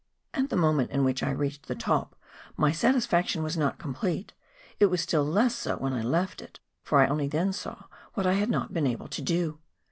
At the moment in which I reached the top, my satisfaction was not complete; it was still less so when I left it, for I only then saw what I had not been able to do.